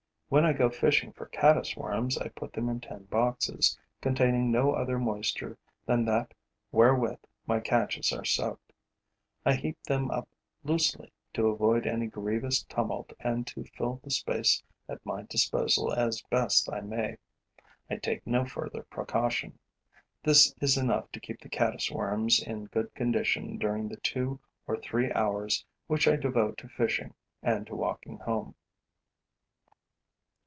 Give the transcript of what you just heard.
When I go fishing for caddis worms, I put them in tin boxes, containing no other moisture than that wherewith my catches are soaked. I heap them up loosely, to avoid any grievous tumult and to fill the space at my disposal as best I may. I take no further precaution. This is enough to keep the caddis worms in good condition during the two or three hours which I devote to fishing and to walking home.